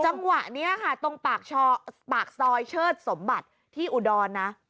จังหวะนี้ค่ะตรงปากซอยเชิดสมบัติที่อุดรนะ